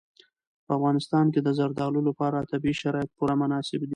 په افغانستان کې د زردالو لپاره طبیعي شرایط پوره مناسب دي.